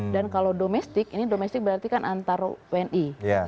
dan kalau domestik ini domestik berarti kan antar wni